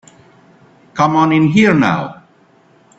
Come on in here now.